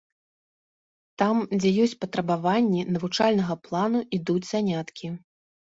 Там, дзе ёсць патрабаванні навучальнага плану, ідуць заняткі.